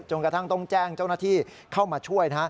กระทั่งต้องแจ้งเจ้าหน้าที่เข้ามาช่วยนะฮะ